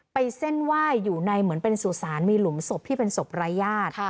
เส้นไหว้อยู่ในเหมือนเป็นสุสานมีหลุมศพที่เป็นศพรายญาติ